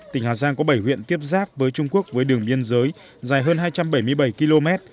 tỉnh hà giang có bảy huyện tiếp giáp với trung quốc với đường biên giới dài hơn hai trăm bảy mươi bảy km